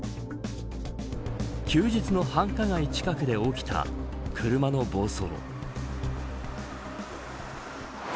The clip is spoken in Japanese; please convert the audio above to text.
休日の繁華街近くで起きた車の暴走。